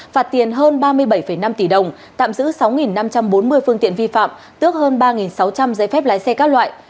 phạt tiền hơn ba mươi bảy năm tỷ đồng tạm giữ sáu năm trăm bốn mươi phương tiện vi phạm tước hơn ba sáu trăm linh giấy phép lái xe các loại